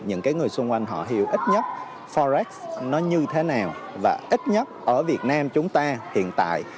những người xung quanh họ hiểu ít nhất forex nó như thế nào và ít nhất ở việt nam chúng ta hiện tại